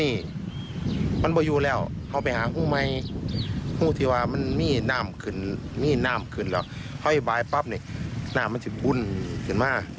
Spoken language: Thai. มีนามขึ้นแล้วเขาให้บายปั๊บเนี่ยนามมันจะบุ้นขึ้นมา